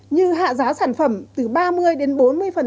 như hạ giá sản phẩm từ ba mươi đến bốn mươi